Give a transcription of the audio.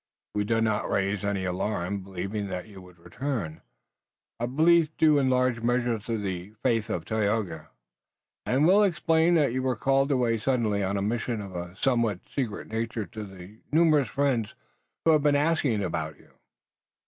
"We did not raise any alarm, believing that you would return, a belief due in large measure to the faith of Tayoga, and we'll explain that you were called away suddenly on a mission of a somewhat secret nature to the numerous friends who have been asking about you."